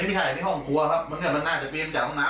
อันนี้มันค่ะอย่างที่ห้องครัวครับมันมันน่าจะเป็นจากห้องน้ำ